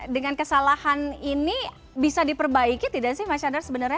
dengan kesalahan ini bisa diperbaiki tidak sih mas chandra sebenarnya